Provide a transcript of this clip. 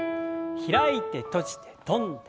開いて閉じて跳んで。